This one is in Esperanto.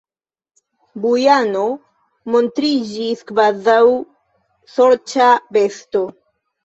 Bujano montriĝis kvazaŭ sorĉa besto.